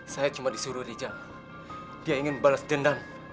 saya cuma disuruh rijal dia ingin balas dendam